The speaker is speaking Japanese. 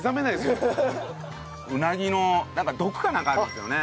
うなぎの毒かなんかあるんですよね。